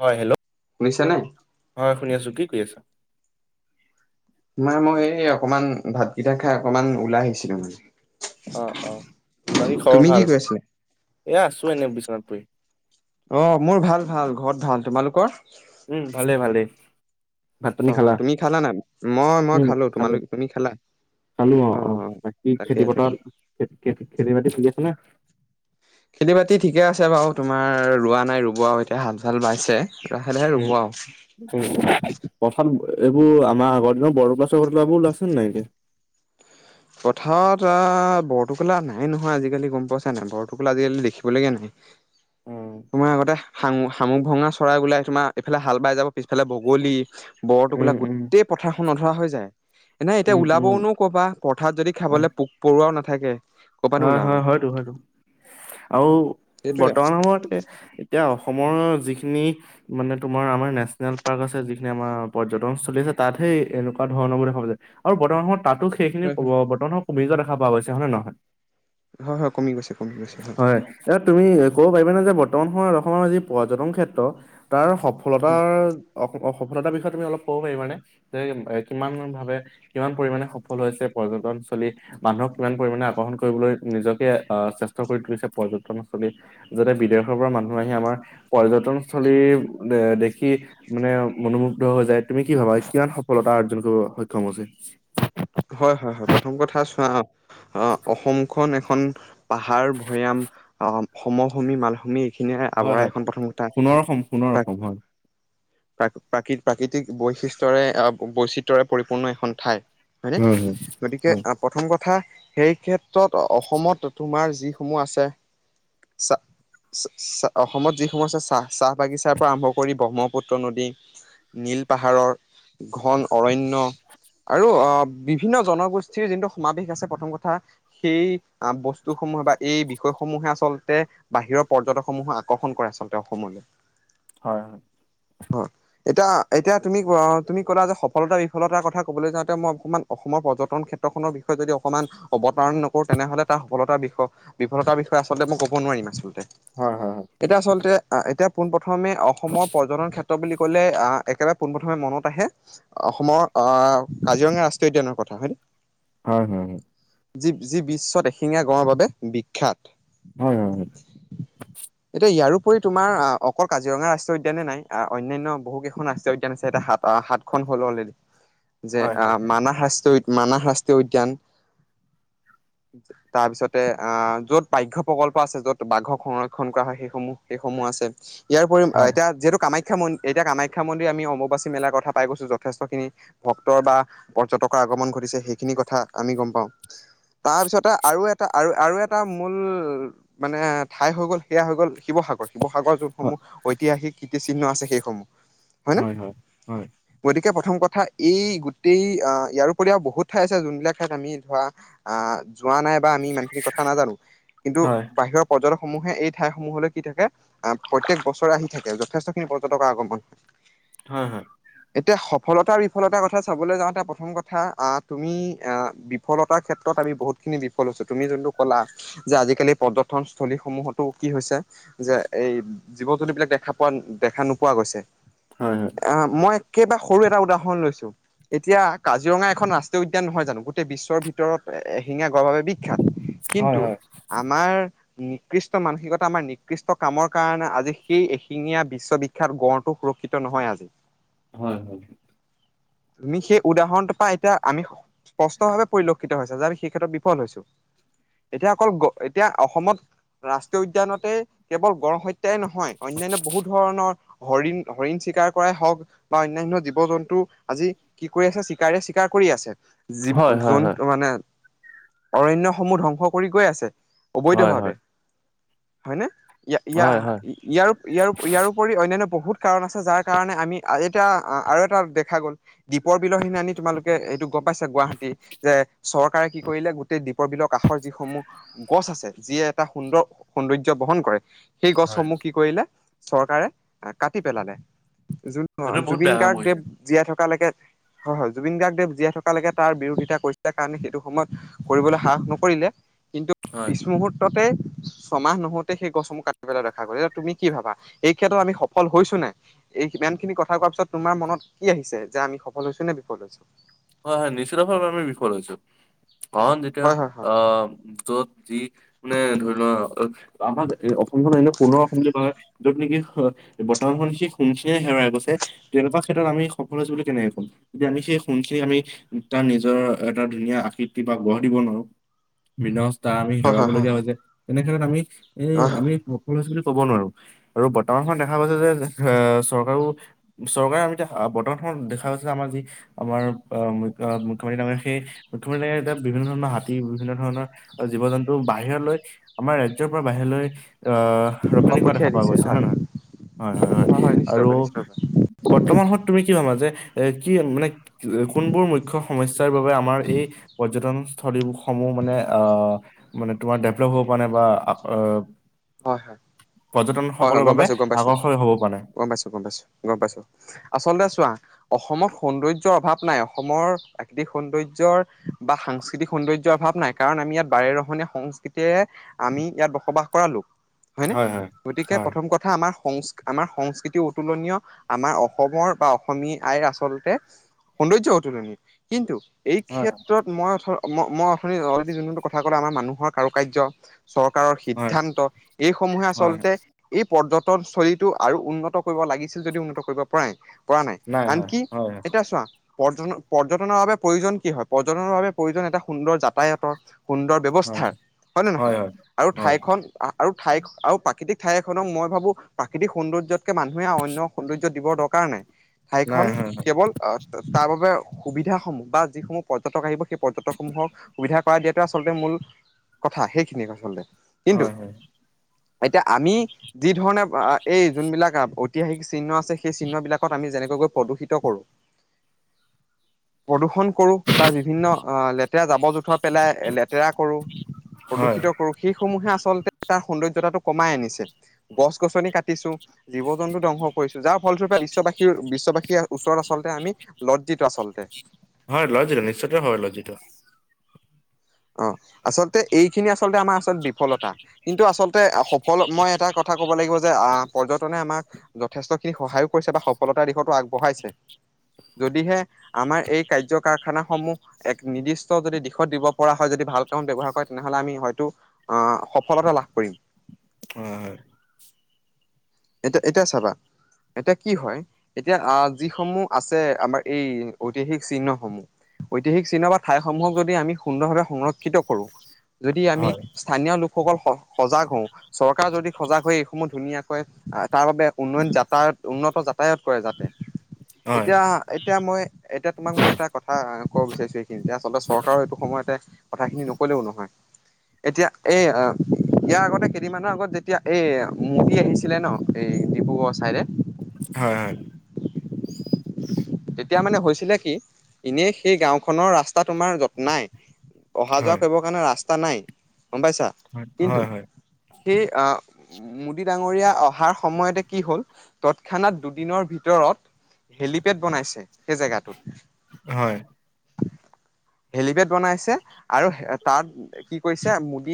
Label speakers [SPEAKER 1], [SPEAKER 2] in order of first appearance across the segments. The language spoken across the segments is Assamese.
[SPEAKER 1] হয় হেল্ল'
[SPEAKER 2] শুনিছানে?
[SPEAKER 1] হয় শুনি আছো কি কৰিৈ আছা
[SPEAKER 2] মাই মই এই অকমান ভাতকেইটা খাই অকমান ওলাই আহিছিলো মানে
[SPEAKER 1] অ অ বাকী খবৰ
[SPEAKER 2] তুমি কি
[SPEAKER 1] ভাল
[SPEAKER 2] কৰি আছিলা?
[SPEAKER 1] এয়া আছো এনে বিশ্বনাথপুুৰ [inaudible]
[SPEAKER 2] অ মোৰ ভাল ভাল ঘৰত ভাল তোমালোকৰ
[SPEAKER 1] উম ভালে ভালে ভাত পানী
[SPEAKER 2] অ তুমি খালা নাই মই মই খালো তোমালোক তুমি খালা [inaudible]
[SPEAKER 1] চালো অ অ বাকী
[SPEAKER 2] তাকে
[SPEAKER 1] খেতি
[SPEAKER 2] তাকে।
[SPEAKER 1] পথত খেতি বাতি চল আছে নে
[SPEAKER 2] খেতি বাতি ঠিকে আছে বাৰ তোমাৰ ৰোৱা নাই ৰুবোৱা এতিয়া হাল চাল বাইছে লাহে লাহে
[SPEAKER 1] উম
[SPEAKER 2] ৰুবও
[SPEAKER 1] উম উম পথাৰত এইবোৰ আমাৰ আগৰ দিনৰ ব়োপ চ ঘৰাবোৰ ওলাইছেে নাইক
[SPEAKER 2] পথাৰত আহ বৰটোকোলা নাই নহয় আজিকালি গম পোৱাছা নাই বৰটোকোলা আজিকালি দেখিবলৈাগে নাই
[SPEAKER 1] উম
[SPEAKER 2] তোমাৰ আগতে শাু শামুক ভঙা চৰাই গোলাই তোমাৰ এইফালে হাল বাই যাব পিছফালে বগলী বৰটোকোলা
[SPEAKER 1] উম উম
[SPEAKER 2] গোটেই পথাৰখন নধৰা হৈ যায় এনে এতিয়া
[SPEAKER 1] উম উম
[SPEAKER 2] ওলাবনও কবা ভাত যদি খাবলৈ প পৰুৱও নাথাকে [inaudible]
[SPEAKER 1] হয়
[SPEAKER 2] ওলাব।
[SPEAKER 1] হয় হয়তটো হয়তো আৰু
[SPEAKER 2] সেইটোৱে
[SPEAKER 1] বৰ্তমান সময়ত এতিয়া অসম অসম যিখিনি মানে তোমাৰ আমাৰ নেচনেল পাৰ্ক আছে যিখিনি আমাৰ পৰ্যটনস্থলী আছে তাতহে এনেকুৱা ধৰণৰো দেখা যায় আৰু বৰ্তমান সময়ত তাতো সেইখিনি বৰ্তমান কমি যোৱা দেখা পোৱা গৈছে হয় নে নহয়
[SPEAKER 2] হয় হয় কমি গৈছে কমি গৈছে
[SPEAKER 1] হয় এ তুমি ক'ব পাৰিবাানে যে ব্ত বৰ্তন সময়ত অসমৰ যি পৰ্যটন ক্ষেত্ৰ তাৰ সফলতাৰ অ সফলতাৰ বিষয়ে তুমি অলপ ক'ব পাৰিব মানে যে কিমান ভাৱে কিমান পৰিমামানে সফল হৈছে চলি মানুহক কিমান পৰিমাে আকৰ্ষণ কৰিবলৈ নিজকে আহ চেষ্টা কৰি তুলিছে পৰ্যটনস্থলী যাতে বিদেশৰ পৰা মানুহ আহি আমাৰ পৰ্যটনস্থলী এ দেখি মানে মনোমুগ্ধ হৈ যায় তুমি কি ভাবা কিমান সফল আৰ্জন ক সক্ষম হৈছে
[SPEAKER 2] হয় হয় হয় প্ৰথম কথা চোৱা অ অসমখন এখন পাহাৰ ভৈয়াম অ সমভূমি মালভূমি খিনিয়ে
[SPEAKER 1] হয়
[SPEAKER 2] আৱৰাই
[SPEAKER 1] হয়
[SPEAKER 2] এখন প্ৰথম কথা
[SPEAKER 1] সোণৰ অসম সোণৰ
[SPEAKER 2] তাক
[SPEAKER 1] অসম হয়
[SPEAKER 2] [inaudible] প্ৰ প্ৰাকৃ প্ৰাকৃতিক বৈশিষ্টয়ৰে বৈচিত্ৰয়ৰে পৰিপূৰ্ণ এখন ঠাই হয়নে
[SPEAKER 1] হয় হয়।
[SPEAKER 2] গতিকে প্ৰথম কথা সেই ক্ষেত্ৰত অসমত তোমাৰ যিসমূহ আছে চ চাহ অসমত যিসমূহ আছে চাহ চাহ বাগিচাৰ পৰা আৰম্ভ কৰি ব্ৰহ্মপুত্ৰ নদী নীল পাহাৰৰ ঘন অৰণ্য আৰু আহ বিভিন্ন জনগোষ্ঠীৰ যিটো সমাৱেশ আছে প্ৰথম কথা সেই বস্তু [unintelligible] ৰবা এই বিষয়ে সমূহে আচলতে বাহিৰৰ পৰ্যটক সমূহক আকৰ্ষণ কৰে আচলতে অসমলৈ।
[SPEAKER 1] হয়-হয়।
[SPEAKER 2] হয় এতিয়া-এতিয়া, তুমি -তুমি ক'লা যে সফলতা বিফলতাৰ কথা কবলৈ যাওঁতে মই অকমান অসমৰ পৰ্যটন ক্ষেত্ৰখনৰ বিষয়ে যদি অকমান অৱতাৰণ নকৰো তেনেহলে তাৰ সফলতাৰ বিসয় বিফলতাৰ বিসয় আচলতে মই ক'ব নোৱাৰিম আচল
[SPEAKER 1] হয় হয় হয়।
[SPEAKER 2] এতিয়া আচলতে এতিয়া পোন প্ৰথমে অসমৰ পৰ্যটন ক্ষেত্ৰ বুলি কলে আহ একেবাৰে পোনপ্ৰথমে মনত আহে অসমৰ আহ কাজিৰঙা ৰা উদ্যানৰ কথা হয় ন?
[SPEAKER 1] হয়-হয়।
[SPEAKER 2] যি যি বিশ্বত এইখিনি আগবঢ়োৱাৰ বাৱে বিখ্যাত।
[SPEAKER 1] হয় হয়
[SPEAKER 2] এতিয়া ইয়াৰো ৰি তোমাৰ অকল কাজিৰঙা ৰাষ্ট্ৰীয় উদ্যানে নাই অন্যান্য বহুকেইখন ৰাষ্ট্ৰীয় উদ্যান আছে এতিয়া সাতখন হল অলৰেডি যে
[SPEAKER 1] হয়।
[SPEAKER 2] আহ
[SPEAKER 1] হয়
[SPEAKER 2] মানস শাস্ত্ৰীয় উদ্যান
[SPEAKER 1] [inaudible]
[SPEAKER 2] তাৰ পিছতে আহ য'ত বাঘ্য় প্ৰকল্প আছে য'ত বাঘক সংৰক্ষন কৰা হয় সেইসমূহ -সেইসমূহ। ইয়াৰ উপৰি
[SPEAKER 1] হয়।
[SPEAKER 2] এতিয়া যিহেতু কামা কামআখ্যা মন্দিৰ এতিয়া কামাখ্যা মন্দিৰ আমি অম্বাচী মেলাৰ কথা পাই গৈছো যথেষ্টখিনি ভক্তৰ বা পৰ্যটকৰ আগমন ঘটিছে সেইখিনি কথা আমি গম পাওঁ তাৰপিছতে আৰু এটা আৰু আৰু এটা মূল মানে ঠাই হৈ গ'ল সেয়া হৈ গ'ল শিৱসাগৰ। শিৱসাগৰ
[SPEAKER 1] হয়।
[SPEAKER 2] যোনসমূহ ঐতিহাসিক কীৰ্তিচিহ্ন আছে সেইসমূহ।
[SPEAKER 1] হয়, হয়-হয়।
[SPEAKER 2] এতিয়া প্ৰথম কথা এই গোটেই অ', য়াৰ উপৰিও বহুত ঠাই আছে যোনবিলাক ঠাইত আমি ধৰা আহ যোৱা নাই বা আমি ইমানখিনি কথা নাজানো কিন্তু বাহিৰৰ পৰ্যতক সমূহে এই ঠাইসমূহলৈ কি থাকে আহ প্ৰত্যেক বছৰে আহি থাকে যথেষ্ট খিনি পৰ্যটকৰ আগমন
[SPEAKER 1] হয়, হয়।
[SPEAKER 2] এতিয়া সফলতাৰ বিফলতাৰ কথা চাবলৈ যাওঁতে প্ৰথম কথা আহ তুমি আহ বিফলতাৰ ক্ষেত্ৰত আমি বহুতখিনি বিফল হৈছো তুমি যোনটো কলা যে আজিকালি পৰ্যটনস্থলী সমূহতো কি হৈছে যে এই জীৱ জন্তু বিলাক দেখা পোৱা দেখা নোপোৱা গৈছে
[SPEAKER 1] হয় হয়
[SPEAKER 2] আহ মই একেবাৰে সৰু এটা উদাহৰণ লৈছো এতিয়া কাজিৰঙা এখন ৰাষ্ট্ৰীয় উদ্যান নহয় জানো গোটেই বিশ্বৰ ভিতৰত এশিঙীয়া গঁড় বাবে বি
[SPEAKER 1] হয় হয়
[SPEAKER 2] কিন্তু
[SPEAKER 1] হয়।
[SPEAKER 2] আমাৰ নিকৃষ্ট মানসিকতা আমাৰ নিকৃষ্ট কামৰ কাৰণে আজি সেই এশিঙীয়া বিশ্ববিখ্যাত গড়টো সুৰ শিক্ষিত নহয় আজি।
[SPEAKER 1] হয়-হয়।
[SPEAKER 2] তুমি সে উদাহৰণটোৰ পৰা এতিয়া আমি স্পষ্ট ভাৱে পৰিলক্ষিত হৈছে যে আমি সেই ক্ষেত্ৰত বিফল হৈছো। এতিয়া অকল গঁড় এতিয়া অসমত ৰাষ্ট্ৰীয় উদ্যানতে কেৱল গঁড় হয়ত তে নহয় অন্যান্য বহুত ধৰণৰ হৰিণ হৰিণ চিকাৰ কৰাই হওক বা অন্যান্য জীৱ জন্তু আজি কি কৰি আছে চিকাৰ চিকাৰ কৰি আছে যিৱ
[SPEAKER 1] হয় হয় হয়
[SPEAKER 2] জন্তু মানে অৰণ্যসমূহ ধ্বংস কৰি গৈ আছে
[SPEAKER 1] হয় হয়
[SPEAKER 2] অবৈধভাৱে
[SPEAKER 1] হয়
[SPEAKER 2] হয়নে? ইয়া ইয়াৰ
[SPEAKER 1] হয় হয় হয়
[SPEAKER 2] ইয়াৰ ইয়াৰপৰি অন্যান্য বহুত কাৰণ আছে যাৰ কাৰণে আমি এতিয়া আৰু এটা দেখা গ'ল দ্বীপৰ বিলখিনি আনি তোমালোকে এইটো গম পাইছা গুৱাহাটী যে চৰকাৰে কি কৰিলে গোটেই দ্বীপৰ বিলৰ কাষৰ যিসমূহ গছ আছে যিয়ে এটা সুন্দৰ সৌন্দৰ্য [unintelligible] কৰে সেই
[SPEAKER 1] হয়।
[SPEAKER 2] গছসমূহ কি কৰিলে চৰকাৰে কাটি পেলালে। জু
[SPEAKER 1] সেইটো বহুত
[SPEAKER 2] জুবিন
[SPEAKER 1] বেয়া কাম
[SPEAKER 2] গাৰ্গদেৱ
[SPEAKER 1] কৰিছে
[SPEAKER 2] জীয়াই থকালৈকে হয়-হয় জুবিন গাৰ্গদেৱ জীয়াই থক লৈকে তাৰ বিৰোধিতা কৰিছিল কাৰণে সেইটো সময়ত কৰিবলৈ সাহক নকৰিলে। কিন্তু
[SPEAKER 1] হয়
[SPEAKER 2] পিছ মুহূৰ্ততে ছমাহ নহোতে সেই গছসমূহ কাটি পেলাই দেখা গ'ল এতিয়া তুমি কি ভাবা এই ক্ষেত্ৰত আমি সফল হৈছো নাই। এই ইমান খিনি কথা কোৱাৰ পিছত তোমাৰ মনত কি আহিছে যে আমি সফল হৈছো নে বিফল হৈছো।
[SPEAKER 1] হয়-হয় নিশ্চয়টা আমি বিফল হৈছো। অন যেতিয়া
[SPEAKER 2] হয় হয় হয়
[SPEAKER 1] আহ য'ত যি মানে ধৰি লোৱা, আমাৰ অসমখনত এনে সোণৰ অসম বুলি কয় যত নেকি বৰ্তমানখন সি সোমচিন হে ৰাই গৈছে তেনেকুৱা ক্ষেত্ৰত আমি সফল হৈছো বুলি কেনেকে কম যেতিয়া আমি সেই সি আমি তাৰ নিজৰ এটা ধুনীয়া আকৃতি বা গঢ় দিব নোৱাৰো বি তাৰ আমি
[SPEAKER 2] হয় হয় হয়
[SPEAKER 1] হেৰুৱাবলগীয়া হৈছে এনেক্ষেত্ৰত আমি এ
[SPEAKER 2] হয় হয়
[SPEAKER 1] আমি সফল হৈছো বুলি। ক'ব নোৱাৰো আৰু বৰ্তমান সময়ত দেখা পাইছে যে চৰকাৰো চৰকাৰ আমি বৰ্তমান দেখা গৈছে আমাৰ যি আমাৰ অ' মুখ্যমন্ত্ৰী ডাঙৰ সেই মুখ্যমন্ত্ৰী ডাঙৰ এতিয়া বিভিন্ন ধৰণৰ হাতী বিভিন্ন ধৰণৰ জীৱ-জন্তু। বাহিৰলৈ আমাৰ ৰাজ্যয়ৰ পৰা বাহিৰলৈ আহ
[SPEAKER 2] অ
[SPEAKER 1] ৰপ্তানি কৰা দেখা
[SPEAKER 2] পঠিয়াই
[SPEAKER 1] পোৱা
[SPEAKER 2] দিছে
[SPEAKER 1] গৈছে হয় নে নহয়। হয়-হয়-হয়
[SPEAKER 2] হয় হয়
[SPEAKER 1] আৰু
[SPEAKER 2] নিশ্চয়কৈ নিশ্চয়কৈ
[SPEAKER 1] বৰ্তমান হত তুমি কি ভাবা যে, এ কি মানে কোনবোৰ মুখ্য সমস্যা বাবে আমাৰ এই পৰ্যটন সলুসমূহ মানে মানে তোমাৰ ডেভেলপ হ'ব পৰা নাই বা
[SPEAKER 2] হয়-হয়, হয়-হয়
[SPEAKER 1] পৰ্যটনসকলৰ
[SPEAKER 2] গম
[SPEAKER 1] বাবে
[SPEAKER 2] পাইছো, গম পাইছো,
[SPEAKER 1] আকৰ্ষণীয় হ'ব পৰা নাই?
[SPEAKER 2] গম পাইছো, গম পাইছো, গম পাইছো আচলতে চোৱা, অসমত সৌন্দৰ্যৰ অভাৱ নাই অসমৰ প্ৰাকৃতিক সৌন্দৰ্যৰ বা সাংস্কৃতিক সৌন্দৰ্যৰ অভাৱ। ভাৱ নাই কাৰণ আমি ইয়াত বাৰে ৰহণীয়া সংস্কৃতিয়ে আমি ইয়াত বসবাস কৰা লোক। হয় নে গতিকে প্ৰথম কথা আমাৰ সংস্ আমাৰ সংস্কৃতি অতুলনীয় আমাৰ অসমৰ বা অসমীয়া আইৰ আচলতে, সৌন্দৰ্য্য অনুলিনিয় কিন্তু এই
[SPEAKER 1] হয়
[SPEAKER 2] ক্ষেত্ৰত মই অ' মই অৰ্থনীতি অল যোন কথা কলে আমাৰ মানুহৰ কাৰু কাৰ্য চৰকাৰৰ
[SPEAKER 1] হয়
[SPEAKER 2] সিদ্ধান্ত এইসমূহে
[SPEAKER 1] হয়
[SPEAKER 2] আচলতে এই, পৰ্যটনস্থলীতটো আৰু উন্নত কৰিব লাগিছিল যদি উন্নত কৰিব পৰা নাই। পৰা নাই
[SPEAKER 1] হয়
[SPEAKER 2] আনকি
[SPEAKER 1] হয়
[SPEAKER 2] এতিয়া চোৱা পৰ্য-পৰ্যটনৰ বাবে প্ৰয়োজন কি হয় পৰ্যটনৰ বাবে প্ৰয়োজন এটা সুন্দৰ যাতায়াতৰ। সুন্দৰ
[SPEAKER 1] হয়
[SPEAKER 2] ব্যৱস্থাৰ হয় নে নহয় আৰু ঠাইখন আৰু ঠাই আৰু, প্ৰাকৃতিক ঠাই এখনক মই ভাবো প্ৰাকৃতিক সৌন্দৰ্যতকে মানুহে অন্য সৌন্দৰ্য দিবৰ দৰকাৰ নাই।
[SPEAKER 1] নাই
[SPEAKER 2] ঠাইখনন
[SPEAKER 1] হয়
[SPEAKER 2] কেৱল আহ তাৰ বাবে সুবিধা সমূহ বা যিসমূহ পৰ্যটক আহিব সেই পৰ্যটকসমূহক সুবিধা কৰা দিয়াটো আচলতে মূল কথা সেইখিনিয়ে আচলতে, কিন্তু
[SPEAKER 1] হয়-হয়,
[SPEAKER 2] এতিয়া আমি যি ধৰণে এই যোনবিলাক ঐতিহাসিক চিহ্ন আছে সেই চিহ্নবিলাকত আমি যেনেকৈ প্ৰদূষিত কৰোঁ। প্ৰদূষন কৰো বা বিভিন্ন অ' লেতেৰা জাবৰ-জোথৰ পেলাই লেতেৰা কৰো
[SPEAKER 1] হয়
[SPEAKER 2] প্ৰদূষিত কৰো সেইসমূহে আচলতে, তাৰ সৌন্দৰ্যতাটো কমাই আনিছে গছ-গছনি কাটিছো। জীৱ-জন্তু ধ্বংস কৰিছো যাৰ ফলস্বৰূপে বিশ্ববাসীৰ বিশ্ববাসীৰ ওচৰত আচলতে আমি লজিত,
[SPEAKER 1] হয় লজিত নিশ্চয়তে হয় লজিত।
[SPEAKER 2] অ' আচলতে এইখিনি আচলতে আমাৰ আচল বিফলতা কিন্তু আচলতে শক্তি হ'ল মই এটা কথা ক'ব লাগিব যে পৰ্যটনে আমাক। যথেষ্টখিনি সহায়ো কৰিছে বা সফলতাৰ দিশতো আগবঢ়াইছে। যদিহে আমাৰ এই কাৰ্য্য কাৰখানাস সমূহ এক নিৰ্দিষ্ট যদি দিশত দিব কৰা হয় যদি ভাল কামন ব্যৱহাৰ কৰে তেনেহলে আমি হয়তো আহ সফলতা লাভ কৰিম।
[SPEAKER 1] হয়-হয়।
[SPEAKER 2] এটা এতিয়া চাবা, এতিয়া কি হয় এতিয়া আহ যিসমূহ আছে আমাৰ এই ঐতিহাসিক চিহ্নসমূহ। ঐতিহাসিক চিহ্ন বা ঠাইসমূহক যদি আমি সুন্দৰভাৱে সংৰক্ষিত কৰো যদি আমি
[SPEAKER 1] হয়
[SPEAKER 2] স্থানীয় লোক সকল সজাগ হওঁ চৰকাৰ যদি সজাগ হয় এইসমূহ ধুনীয়াকৈ আহ তাৰ বাবোবে উন্নয়ন যাতায়ত, উন্নত যাতায়ত কৰে যাতে,
[SPEAKER 1] হয়
[SPEAKER 2] এতিয়া এতিয়া মই এতিয়া তোমাক মই এটা কথা কব বিচাৰিছো। ন্তয়া আচলতে চৰকাৰৰ এইটো সময়তে কথাখিনি নক'লেও নহয় এতিয়া এই, ইয়াৰ আগতে কেইদিনমানৰ আগত যেতিয়া এই মোদী আহিছিলে ন এই ডিব্ৰুগড় চাইডে,
[SPEAKER 1] হয় হয়।
[SPEAKER 2] তেতিয়া মানে হৈছিলে কি এনেই সেই গাওখনৰ ৰাস্তা তোমাৰ যতনাই, অহা যোৱা
[SPEAKER 1] হয়
[SPEAKER 2] কৰিবৰ কাৰণে ৰাস্তা নাই গম পাইছা
[SPEAKER 1] হয়
[SPEAKER 2] কিন্তু
[SPEAKER 1] হয় হয়
[SPEAKER 2] সেই আহ, মুোদী ডাঙৰীয়া অহাৰ সময়তে কি হল তৎক্ষণাত দুদিনৰ ভিতৰত, হেলিপেড বনাইছে সেই জেগাটোত,
[SPEAKER 1] হয়।
[SPEAKER 2] হেলিপেড বনাইছে আৰু তাত কি কৈছে মুদ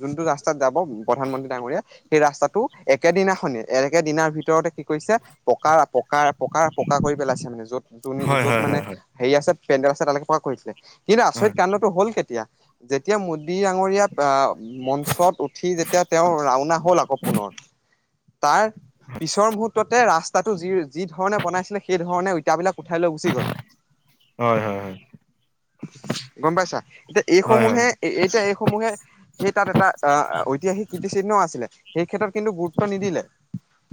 [SPEAKER 2] যোনটো ৰাস্তাত, যাব প্ৰধানমন্ত্ৰী ডাঙৰীয়া সেই ৰাস্তাটো একে দিনাখনে একে দিনাৰ ভিতৰতে, কি কৰিছে পকাৰ পকা পকাৰ পকা কৰি পেলাইছে মানে যত যোন
[SPEAKER 1] হয় হয়
[SPEAKER 2] য'ত
[SPEAKER 1] হয়
[SPEAKER 2] মানে হেৰি আছে, পেণ্ডেল আছে তালৈকে প্ৰকাশ কৰিছিলে কিন্তু আচৰিত কাণ্ডটো হল কেতিয়া যেতিয়া মোদী আাঙৰীয়া আহ! মঞ্চত উঠি যেতিয়া তেওঁ ৰাওনা হল আকৌ পুনৰ, তাৰ পিছৰ মুহুৰ্ততে ৰাস্তাটো যি যি ধৰণে বনাইছিলে সেই ধৰণে এই বিলাক, উঠাই লৈ গুচি গল,
[SPEAKER 1] হয় [inaudible]
[SPEAKER 2] গম পাইছা এতিয়া
[SPEAKER 1] হয় হয়
[SPEAKER 2] এইসমূহে
[SPEAKER 1] হয়
[SPEAKER 2] এতিয়া এইসমূহে সেই তাত এটা আহ ঐতিহাসিক, কিটো চিহ্ন আছিলে, সেই ক্ষেত্ৰত কিন্তু গুৰুত্ব নিদিলে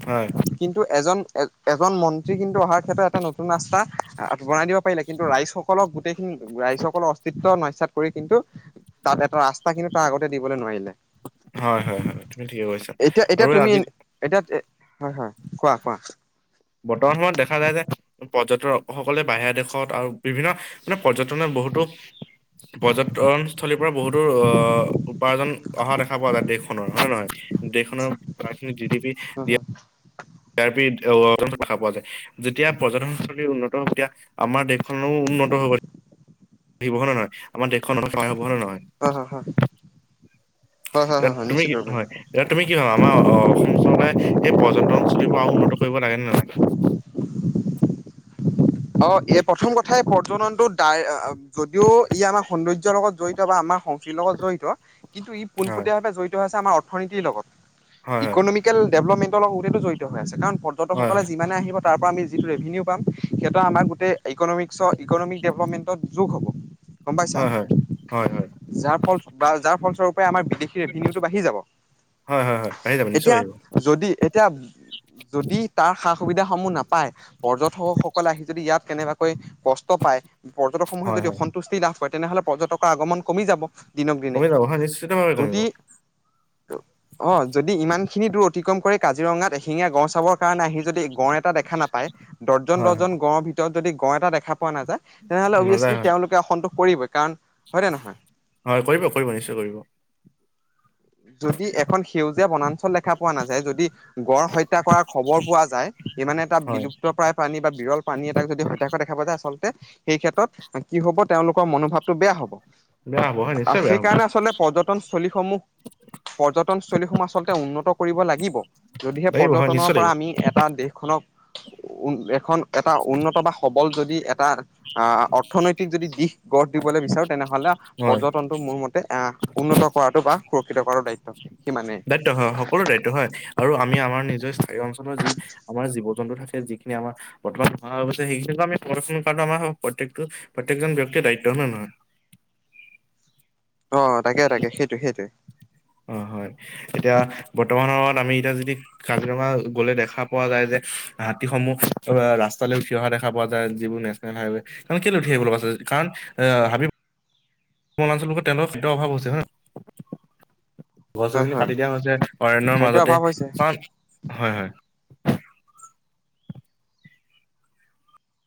[SPEAKER 1] হয়
[SPEAKER 2] কিন্তু এজন এজন মন্ত্ৰী কিন্তু অহাৰ। ক্ষেত্ৰত এটা নতুন ৰাস্তা বনাই দিব পাৰিলে কিন্তু ৰাইজসকলক গোটেইখিনি ৰাইজসকলৰ অস্তিত্ব ন বিশ কৰি কিন্তু তাত এটা ৰাস্তা কিন্তু তাৰ আগতে দিবলৈ নোৱাৰিলে,
[SPEAKER 1] হয় হয় হয় তুমি ঠিকে কৈছা
[SPEAKER 2] এতিয়া এতিয়া
[SPEAKER 1] আৰু
[SPEAKER 2] তুমি
[SPEAKER 1] আজি,
[SPEAKER 2] এতিয়া হয় হয় কোৱা কোৱা,
[SPEAKER 1] বৰ্তমান সময়ত দেখা যায় যে পৰ্যটক সকলে বাহিিৰ দেশত আৰু বিভিন্ন মানে পৰ্যটনে, বহুতো পৰ্যটনস্থলীৰ পৰা বহুতো আহ উপাৰ্জন অহা দেখা পোৱা যায় দেশখনৰ হয় নে নহয়? দখনৰ ৰা জিপি
[SPEAKER 2] হয়
[SPEAKER 1] দিয়া। প দেখা পোৱা যায় যেতিয়া পৰ্যটনস্থলী উন্নত তেতিয়া আমাৰ দেশ, উন্নত হব আহিব হয়ে নহয়। আমাৰ দেশখন সাই হ'ব ন নহয়।
[SPEAKER 2] হয় হয় হয় হয় হয় হয়
[SPEAKER 1] এয়া
[SPEAKER 2] হয় হয়
[SPEAKER 1] তুমি
[SPEAKER 2] নিশ্চিত
[SPEAKER 1] কি
[SPEAKER 2] ৰূপে
[SPEAKER 1] হয় এতিয়া তুমি কি ভাবা আমাৰ অসম চৰকাৰে সেই পৰ্যন্তন, চলিব আৰু উন্নত কৰিব লাগে নে নালাগে।
[SPEAKER 2] অ এ প্ৰথম কথাই পৰ্যটনটোত ত যদিও ই আমাৰ সৌন্দৰ্যৰ লগত জড়িত বা আমাৰ! লগত জড়িত কিন্তু ই প
[SPEAKER 1] হয়,
[SPEAKER 2] ভাৱে জডিত আমাৰ অৰ্থনীতিৰ লগত
[SPEAKER 1] হয়, হয়,
[SPEAKER 2] ইকনমিকেল ডেভেলপমেণ্টৰ লগতোতেো জড়িত হৈ আছে কাৰণ,
[SPEAKER 1] হয়।
[SPEAKER 2] পৰ্যটকসকলে যিমানে আহিব তাৰ পৰাৰা আমি যিটো ৰেভিনউ পাম সিহঁত আমাকোই, ইকনমিক্ৰ ইকনমিক ডেভেলপমেণ্টত যোগ হ'ব। গম পাইছা
[SPEAKER 1] হয়, হয়। হয়, হয়।
[SPEAKER 2] যাৰ ফল বা যাৰ ফলস্বৰূপ, আমাৰ বিদেশ ৰেভিনউটো বাঢ়ি যাব।
[SPEAKER 1] হয়, হয়, হয়। আহি যাব নিশ্চয়
[SPEAKER 2] এতিয়া
[SPEAKER 1] আহিব।
[SPEAKER 2] যদি এতিয়া যদি, তাৰ সা সুবিধা সমূহ নাপায় পৰ্যটকস কেনেবাকৈ কষ্ট পায় পৰ্যটক সমূহে
[SPEAKER 1] হয়,
[SPEAKER 2] যদি
[SPEAKER 1] হয়।
[SPEAKER 2] অসন্তুষ্টি লাভ তেনেহলে পৰ্যটকৰ আগমন কমি যাব দিনক দিনে
[SPEAKER 1] কমি যাব হয় নিশ্চিতভাৱে কমিব।
[SPEAKER 2] যদি, অ যদি ইমান খিনি দূৰ অতিক্ৰম কৰে কাজিৰঙাত এশিঙীয়া গড় চাবৰ কাৰণে আহি যদি গড় এটা দেখা নাপায় দৰ্জন
[SPEAKER 1] হয়, হয়।
[SPEAKER 2] দৰ্জন গড়ৰ ভিতৰত যদি গড় এটা দেখা, পোৱা নাযায় তেনেহলে
[SPEAKER 1] নাযায়
[SPEAKER 2] অভিয়াচলি
[SPEAKER 1] হয়।
[SPEAKER 2] তেওঁলোকে অসম পৰিৱেশ
[SPEAKER 1] হয় কৰিব কৰিব নিশ্চয় কৰিব।
[SPEAKER 2] যদি এখন সেউজীয়া বনাঞ্চল দেখা পোৱা নাযায় যদি গড় হত্যা কৰাৰ খবৰ পোৱা যায় সি মানে এটা
[SPEAKER 1] হয়,
[SPEAKER 2] বিলুপ্ত প্ৰায় পানী বা বিৰল প্ৰানী এটাক যদি হত্যা কৰা দেখা পোৱা যায় আচলতে সেই ক্ষেত্ৰত কি হব তেওঁলোকৰ মনোভাৱটো বেয়া হব।
[SPEAKER 1] বেয়া হ'ব হয় নিশ্চয় বেয়া হ'ব।
[SPEAKER 2] সেইকাৰণে আচলতে পৰ্যটনস্থলী সমূহ। পৰ্যটনস্থলীসমূহ আচলতে উন্নত কৰিব লাগিব যদিহে
[SPEAKER 1] লাগিব হয়
[SPEAKER 2] পৰ্যটনৰ
[SPEAKER 1] নিশ্চয়
[SPEAKER 2] পৰা
[SPEAKER 1] লাগিব।
[SPEAKER 2] আমি এটা দেশখনক উ এখন এটা উন্নত বা সবল যদি এটা আহ অৰ্থনৈতিক যদি দিশ গঢ় দিবলৈ বিচাৰো। তেনেহলে
[SPEAKER 1] হয়,
[SPEAKER 2] পৰ্যটনটো মোৰ মতে এ উন্নত কৰাটো বা সুৰক্ষিত কৰাটো দায়িত্ব। সিমানে
[SPEAKER 1] দায়িত্ব হয় সকলো দায়িত্ব হয় আৰু আমি আমাৰ নিজস্ব [unintelligible] অঞ্চলৰ যি আমাৰ জীৱ জন্তু থাকে যিন আমাৰ বৰ্তমান [unintelligible] প্ৰতয়েক প্ৰত্য়েকজন ব্যক্তিৰ দায়িত্বহে নহয়
[SPEAKER 2] অ' তাকে তাকে সেইটো সেইটোৱে।
[SPEAKER 1] হয় হয় এতিয়া বৰ্তমান সময়ত আমি এতিয়া যদি কাজিৰঙা গলে দেখা পোৱা যায় যে। হাতীসমূহ ৰাস্তালৈ উঠি অহা দেখা পোৱা যায় যিবোৰ নেচনেল হাইৱে ত কে লৈ উঠি আহিব লগা কাৰণ। অ' হাবি [unintelligible] তেওঁলোকৰ শীতৰ অভাৱ হৈছে হয়নে। গছ
[SPEAKER 2] হয়
[SPEAKER 1] গছনি
[SPEAKER 2] হয়
[SPEAKER 1] কাটি দিয়া হৈছে অৰণ্যৰ
[SPEAKER 2] খাদ্যৰ অভাৱ
[SPEAKER 1] মাজতে
[SPEAKER 2] হৈছে।
[SPEAKER 1] কাৰণ হয় হয়।